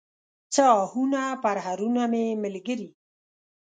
څه آهونه، پرهرونه مې ملګري